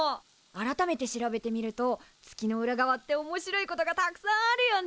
改めて調べてみると月の裏側っておもしろいことがたくさんあるよね。